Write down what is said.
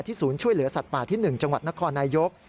ศูนย์ช่วยเหลือสัตว์ป่าที่๑จังหวัดนครนายก